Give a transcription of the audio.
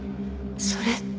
それって。